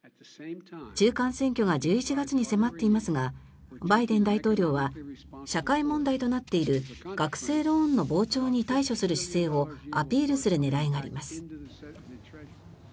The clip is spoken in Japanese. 中間選挙が１１月に迫っていますがバイデン大統領は社会問題となっている学生ローンの膨張に対処する姿勢をアピールする狙いがあります。